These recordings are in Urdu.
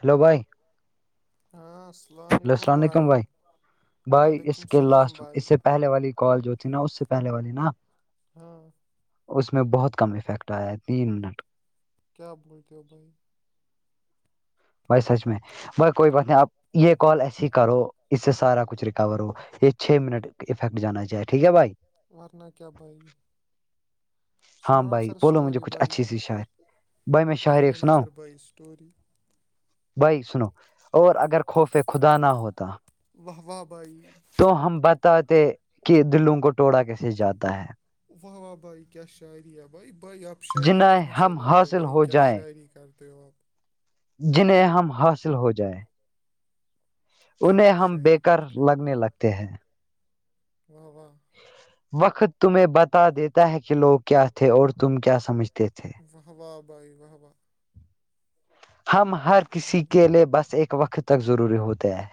ہیلو بھائی ہاں سلام و السلام علیکم بھائی بھائی اس کے لاسٹ اس سے پہلے والی کال جو تھی نا اس سے پہلے والی نا ہاں اس میں بہت کم افیکٹ آیا ہے تین منٹ کا کیا بولتے ہو بھائی بھائی سچ میں بھائی کوئی بات نہیں آپ یہ کال ایسے ہی کرو اس سے سارا کچھ ریکور ہو یہ چھ منٹ افیکٹ جانا چاہے ٹھیک ہے بھائی وورننا کیا بھائی ہاں بھائی بولو مجھے کچھ اچھی سی شاعر بھائی میں شایری ایک سناؤ بھائی سنو اور اگر خوفے خدا نہ ہوتا تو ہم بتاتے کہ دلوں کو ٹوڑا کیسے جاتا ہے واہ واہ بھائی کیا شاعری ہے بائی بائی آپ شاعری کہاں سے لاتے ہو بھائی کیا شاعری کرتے ہو آپ جنہیں ہم حاصل ہو جائے انہیں ہم بےیکر لگنے لگتے ہیں واہ وا وقت تمہیں بتا دیتا ہے کہ لوگ کیا تھے اور تم کیا سمجھتے تھے واہ واب بھائی واہ واہ ہم ہر کسی کے لیے بس ایک وقت تک ضروری ہوتے ہیں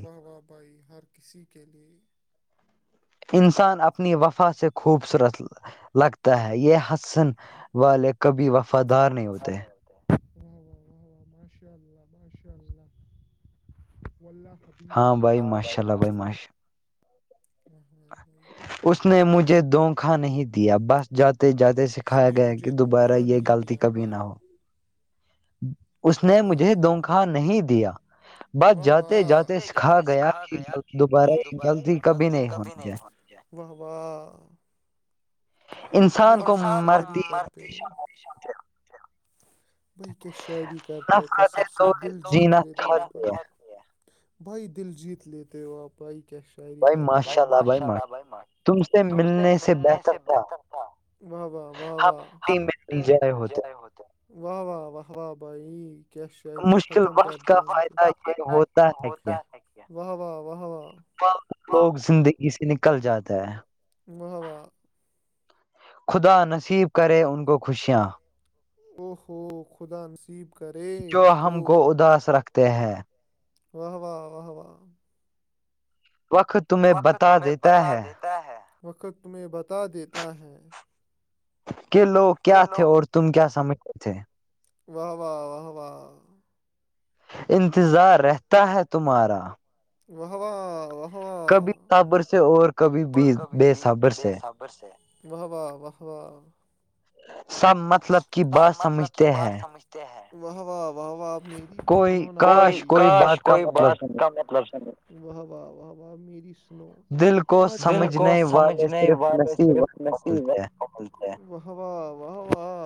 واہ واہ بھائی ہر کسی کے لیے انسان اپنی وفا سے خوبصورت لگتا ہے یہ حسن والے کبھی وفادار نہیں ہوتے و واہ واہ واہ ماشاء اللہ ماشاء اللہ ولہ بھی بھی ہاں بھائی م [unintelligible] اس نے مجھے دونکھا نہیں دیا بس جاتے جاتے سکھایا گیا ہے کہ دوبارہ یہ غلطی کبھی نہ ہو اس نے مجھے دونکھا نہیں دیا جے جاتے سکھا گیاط دوبارہ غلطی کبھی نہیں ہونی چاہ [unintelligible] واہ واہ انسان کو [unintelligible] [unintelligible] بھائی کیا شاعری کرتے ہو اپ دل جیت لیا بھائی دل جیت لیتے ہو و آپ بھائی کیاش بھائی ماشاء اللہ بھائی ماشلہ تم سے ملنے سے بہتر ہاں و و و واہ ہاں ت ب ج ہے ہوتا [unintelligible] واہ واہ واہ واہ بائی کیا شاعری ختم کر دیا اپ نے واہ وا واہ وا لوگ زندگی سے نکل جاتے ہے وہ وآ خدا نصیب کرے ان کو خوشیاں او ہو خدا نصیب کرے ان کو اداس رکھتے تے ہیں واہ واہ واہ واہ وقت تمہیں بتا دیتا ہے وقت تمہیں بتا دیتا ہے کہ لوگ کیا تھے اور تم کیا سمجھتے تھے واہ واہ واہ واہ انتظار رہتا ہے تمہارا واہ واہ وآ کبھی صابر سے اور کبھی بے صبر سے [unintelligible] واہ واہ واہ وا ا [unintelligible] تب مطلب کی بات سمجھتے ہیں و و کوئی کاش کوئی بات کا مطلب س واہ واہ واہ واہ میری دل کو سمجھنے والے صرف نصیب واہ واہ واہ واہ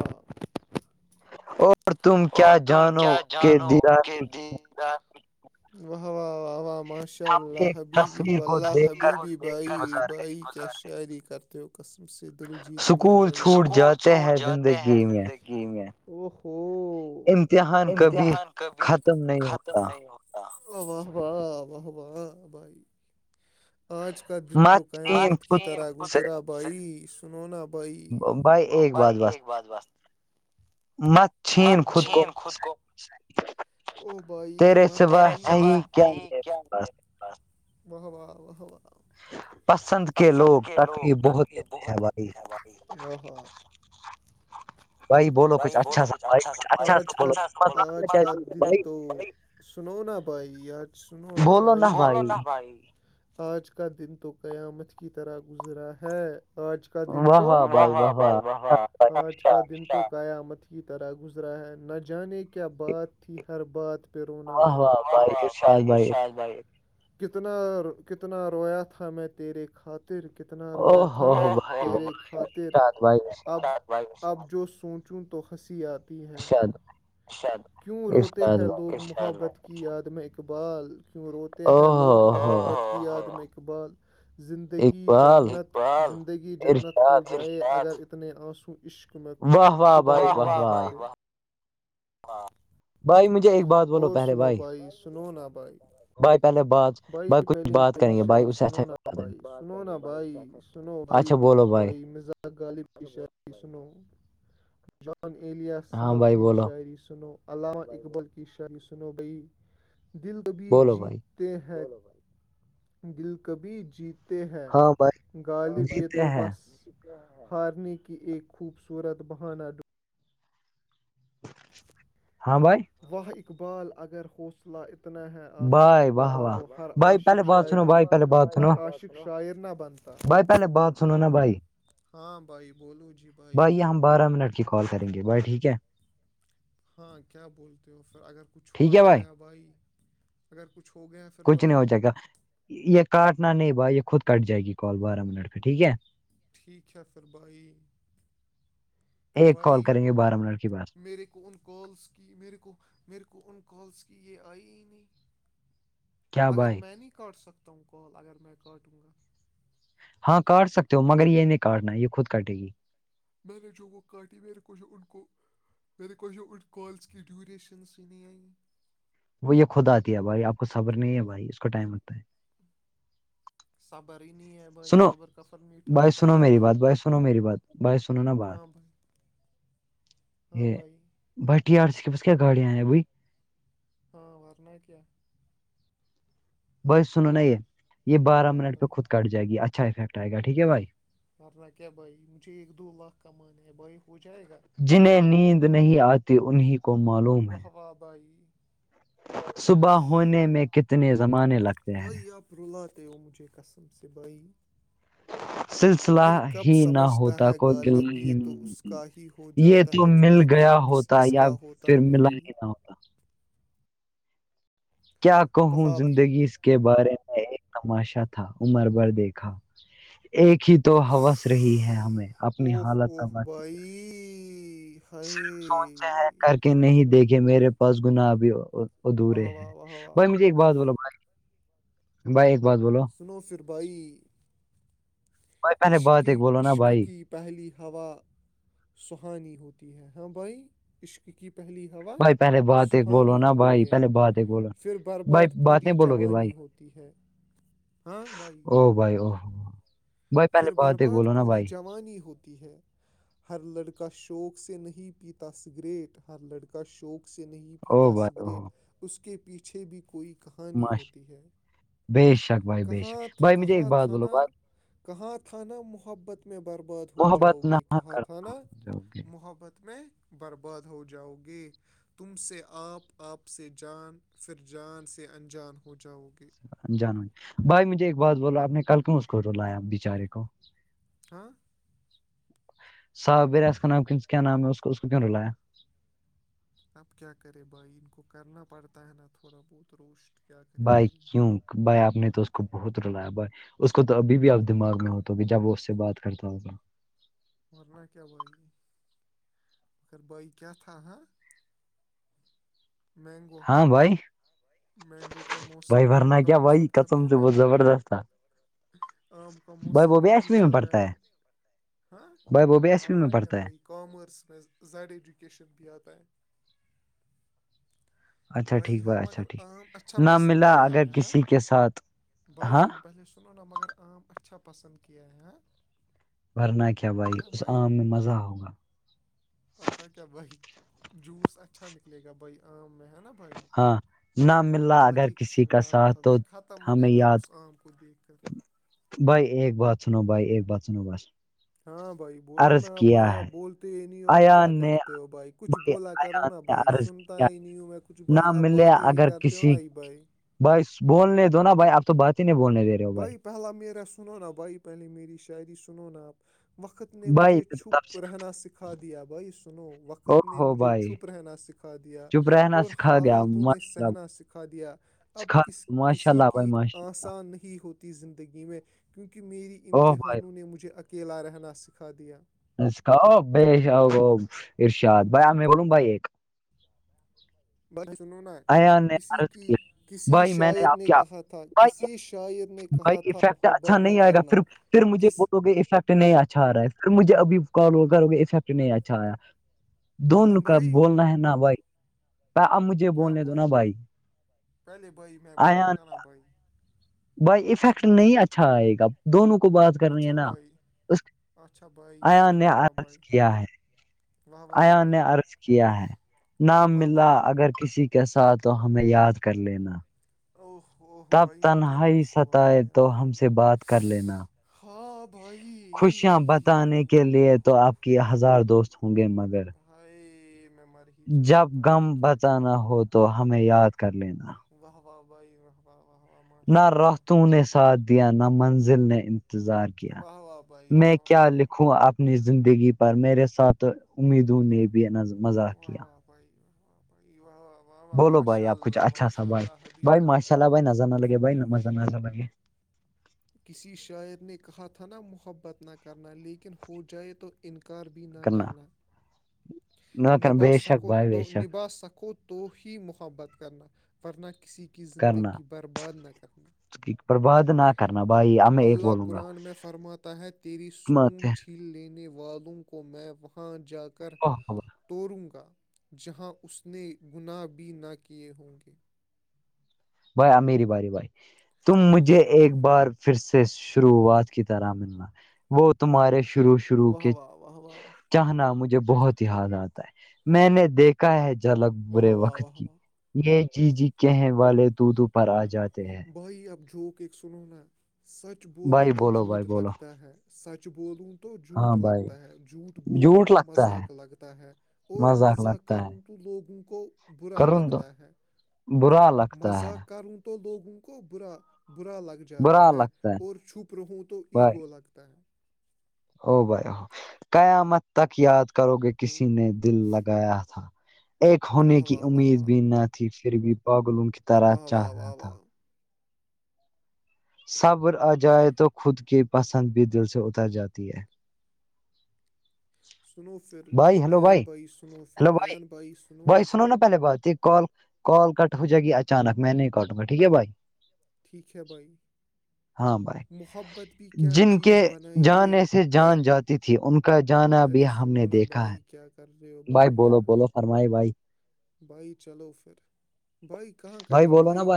او [unintelligible] اور تم کیا جانو کہ د و ماشاء اللہ حبی بھی ولہ حبی بھی بھائی بھائی کا شاعری کرتے [unintelligible] قسم سے دل جیت لیا بھائیکول چھوٹ جاتے ہیںندگی کی میں ا ہو امتحان کبھی ختم نہیں ہو آب واہ وبب بھائی [unintelligible] [inaudible] آج کا دن تو قیا مت کی طرح گزرا بھائی سنونا بھائی بائی ایک بات بس مق [unintelligible] مت چھیین خود کو ا بھائی میں تیرے صبح کیا تے بس واہ واہ واہ واہ پسند کے لوگ تکلیف بہت دیتے ہیں بھائی بائی بولو کچھ اچھا سا بھائی اج کل اچ [unintelligible] سنو نا بھائی یار سنو نا بھائی آج کا دن تو قیامت کی طرح گزرا ہے آج کا دن تو آج کا دن تو قیامت کی طرح گ [unintelligible] گزرا ہے نہ جانے کیا بات تھی ہر بات پ و و ب یہ ب [unintelligible] کتنا کتنا رویا تھا میں تیرے کھات طر کتنا رویا تھا مری خاطر اب [unintelligible] اب جو سوچوں تو ہنسی آت ہیں کیوں روتے ہیں لور محبت کی یاد میں اقبال کیوں روتے ہیں لوگ آدمی اقبال ج زندگی جنت ہو جائے اگر اتنے آنسو عشق میںت خدا [unintelligible] ہاں بھائی مجھے ایک بات بولو پہلے بھائی سننا بائی بھائی پہلے بعد بھائی پہلی میری شاعری سنو نا بھائی سنو نا بھائی سنو بھائی بھائی مزاق غالب کی شادی سنو جان ایلیاس صاحب کی شاعری سنو علامہ اقبال کی شاعری سنو بئی دل کو ب جیتتے ہیں دل کبھی جیتتے ہیں غالب یہ تو بس ہارنے کی ایک خوبصورت بہانا ڈ ہاں بھائی واہ اقبال اگر حوثلہ اصح اتنا ہے آسان ہوتا تو ہر عاشق شاعری ہر عاشق شاعر نہ بن بھائی پہلے بہت سنو نا بھائی ہاں بھائی بولو جی بھائی ہم بارہ منٹ کی کال کریں گے بھائی ٹھیک ہے ہاں کیا بولتے ہو پھر اگر کچھ آ گیا بھائی اگر کچھ ہو گیا پھر کچھ نہیں ہو جائے گا یہ کاٹنا نہیں با یہ خود کٹ جائے گی کال بارہ منٹ پہ ٹھیک ہے ٹھیک ہے پھر بھائی ایک کال کریں گے بارہ منٹ کے بس میرے کون کالس کی میرے کو میرے کو ان کالس کی یہ آئی ہی نہیں اگر میں نہیں کاٹ سکتا ہوں کال اگر میں کاٹوں گا ہاں کاٹ سکتے ہو مگر یہ نہیں کاٹنا ہے یہ خود کاٹے گی میں نے جو وہ کاٹی میرے کو جو ان کو مے کوھ کالس کی ڈیوریشنس ہی نہیں آ گی وہ یہ خود آتی ہے بھائی آپ کو صبر نہیں ہے بھائی اس کو ٹائم لگتا ہے صبری ہی نہیں ہے سنو بھائی سنو میری بات بھائی سنو میری بات بھائی سنو نا بات [inaudible] [inaudible] [inaudible] ہاں بھائی بھٹی ٹی آر سی کے پس کیا گاڑی آ بھائی ہاں وورن کیا کیا بائی سنو نہیں یہ یہ بارہ منٹ پہ خود کٹ جائے گی اچھا افیکٹ آئے گا ٹھیک ہے بھائی ورنہ کیا بھائی مجھے ایک دو لاکھ کمانے ہے بھائی ہو جائے گا جنہیں نیند نہیں آتی انہیں واہوابائی صبح ہونے میں کتنے زمانے لگتے بھائی آپ رلاتے ہو مجھے قسم سے بھائی ہ [unintelligible] [inaudible] سلسلہ ہی نہ ہوتا کوئی گلا ہی نہیں یہ تو مل گیا ہوتا ت یا پھر ملا کے نہ ہو [unintelligible] کیا کہوں زندگی اس کے بارے میں تماشا تھا عمر بھر دیکھا ایک دھی تو ہوس رہی ہے ہمیں اپنی حالت کا ب صرف سوچ ہے کر کے نہیں دیکھے میرے پاس گنابھی وہ دورے ہے بھائی مجھے ایک بات بولو بھائی بھائی ایک بات بولو سنو فر بائی بھائی پہلے بات ایک بولو نا بھائی پہلی ہوا سہانی ہوتی ہے ہاں بھائی عشق کی پہلی ہوا سہانی ہوتی ہے پھر برباد پوری جوانی ہوتی تی ہے او بھائی او پھر برباد پوری جوانی ہی ہوت ہے ہر لڑکا شوق سے نہیں پیتا سگریٹ ہر لڑکا شوق سے نہیں پیتا سگریٹ اس کے پیچھے بھی کو کوئی کہانی ہوتی ہے کہاں کہاں تھا نا کہاں تھا نا محبت میں برباد ہو جاؤ گی کہاں تھا نا محبت میں برباد ہو جاؤ گی تم سے آپ آپ سے جان پھر جان سے انجان ہو جاؤ گے جانو بھائی مجھے ایک بات بولو آپ نے کل کیوں اس کو رلایا بچارے کو ہاں ساحبیرا اس کا نام کیا نام ہے اس اس کو کیوں رلایا اب کیا کرے بھائی ان کو کرنا پڑتا ہے نا تھوڑا بہت روشٹ بھائی کیوں بھائی آپ نے تو اس کو بہت رلایا بھائی اس کو تو ابھی بھی آپ دماغ میں ہو تو ہو کہ جب وہ اس سے بات کرتا ہوگا ورنہ کیا بھائی اگر بھائی کیا تھا ہاں مینگو ہاں مینگو کا موسم آم کا موسم چل رہا ہے نا بت زبردست تھا آم کا موسم یہ بھی چل رہا ہے بھائی وہ بھی ایس پی میں پڑھتا ہے کاامرس میں زد ایجوکیشن بھی آتا ہیں اچھا ٹھیک ب اچھا ٹھیک نہ ملا اگر کسی کے ساتھ ہاں سنو نا مگر عام اچھا پسند کیا ہے ہیں ھرنا کیا بھائی اس آم میں مزہ ہوگا پت کیا بھائی جوس اچھا نکلے گا بھائی آم میں ہے نا بھائی الگ ہی قسم کا آم تھا میں ختم ہو گیا کل اس آم کو دیکھ کر بھائی ایک بات سنو بھائی ایک بات سنو بس ہاں بھائی بولو نا اب بھائی آپ بولتے ہی نہیں ہو اپ کیا کرتے ہو بھائی کچھ بولا کرو نا بھائی سنتا ہی نہیں ہوں میں کچھ کچھ بھائی آپ بات ہی نہیں کرتے ہو ن ہی بھائی بھائی بولنے دو نا بھائی آپ تو بات ہی نہیں بولنے رہے بھائی پہلا میرا سنو نا بھائی پہلی میری شاعری سنو نا آپ وقت نے مجھے چھپ رہنا سکھا دیا بھائی سنو وقت نے مجھے چھپ رہنا سکھا کھا دیا اور حالاتوں نے سہنا سکھا دیا اب کس کے کسی کی آساں نہیں ہوتی زندگی میں کیونکہ میری امتحانوں نے مجھے اکیلا رہنا سکھا دیا نس کا ب ارشاد بھائی آمی بول بھ ایک ب سنناا اسی کی کسی شاعر نے کہا تھا کسی شاعر نے بھائی افیکٹ اچھا نہیں آئے گا پھر پھر مجھے بولتو گے افیکٹ نہیں اچھا آ رہا ہے پ مجھے اب کال کرٹ نہیں اچھا آیا دونوں کا بولنا ہے ن بھائی ا مجھے کیا بھائی پہلے بھائی میں بولوں گا نا بھائی بائی افیکٹ نہیں اچھا آئے گا دونوں کو بات کرنی ہے نا اس آان نے آج کیا ہے آیا نے ارض کیا ہے نام ملا اگر کسی کیسا تو ہمیں یاد کر لینا اوہ اوہ بائی نہ ہی ست ہے تو ہم سے بات کر لینا ہپ خوشیاں بتانے کے لیے تو آپ کی ہزار دوست ہوں گے مگر ہائی میماری جب غم بتانا ہو تو ہمیں یاد کر لینا واہ واہ بھائی واہ و نہ راہتوں نے ساتھ دیا نہ منزل نے انتظار کیا کیا میں کیا لکھوں اپنی زندگی پر میرے ساتھ امیدوں نے بی نن مذاق کیا ائیاںائیواہ بولو بھائی آپ کچھ اچھا سا بھائی بھائی ماشاء اللہ بھائی نظر نہ لگے بھائی مزہ نظر لگے کسی شاعر نے کہا تھا نا محبت نہ کرنا لیکن ہو جائے تو انکار بھی نہ کرنا نبھ سکو نبھا سکو تو تو ہی محبت کرنا ورنہ کسی کی زندگی برباد نہ کرنا پربت نک کرنا بھائی اللہ قرآن میں فرماتا ہے تیری سکون چھیل لینے والوں کو کو میں وہاں جا کر توڑوں گا جہاں اس نے گناہ بھی نہ کیے ہوں گے بھائی امیری بھاری بھائی تم مجھے ایک بار پھر سے شروعات کی طرح منا وہ تمہارے شروع شروع کے چاہنا مجھے بہت یاد آتا ہے میں نے دیکھ کا ہے جھلک برے وقت کی یہ چیز ہی کہ والے طتو پر آ جاتے ہیں بائی اپ جوک ایکک سنونا سچ بولوں تو جھوٹ لگتا ہے سچ بولوں تو جھوٹ لگتا ہے جھوٹ بولوں تو مذاق لگتا ہے اور مزاق کروں تو لوگوں کو کرن تو براال مزاق کروں تو لوگوں کو برا برا لگ رہ جاتا ہے اور چھپ رہوں تو ایگو لگتا ہے او بھائی ہو قیامت تک یاد کرو گے کسی نے دل لگایا تھا ایک ہونے کی امید بھی نہ تھی پھر بھی باگل ان کی طرح چاہ رہا تھا صبر آ جائے تو خود کی پسند بھی دل سے اتر جاتی ہے بھائی ہلو بھائی ہلو بھائی بھائی سنو نا پہلے ب کال کال کٹ ہو جائے گی اچانک میں نہیں کٹوں گا ٹھیک ہے بھائی ٹھیک ہے بھائی محبت بھی کیا چیز بنائیے ہے پہلے سنو ن بھائی کیا کر رہے ہو بھائی یار بائی چلو پھر بھائی کہاں کٹی بائی